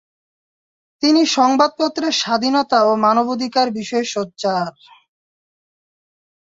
তিনি সংবাদপত্রের স্বাধীনতা ও মানবাধিকার বিষয়ে সোচ্চার।